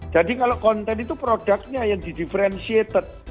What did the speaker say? jadi kalau konten itu produknya yang di differentiated